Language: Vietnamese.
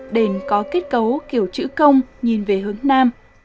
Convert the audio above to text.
đền có kết cấu kiểu chữ công nhìn về hướng nam